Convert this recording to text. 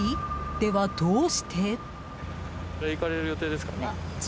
では、どうして？